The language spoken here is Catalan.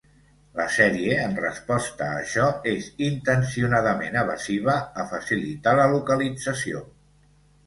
La sèrie, en resposta a això, és intencionadament evasiva a facilitar la localització.